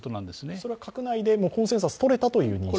それは閣内でコンセンサスをとれたという認識ですか？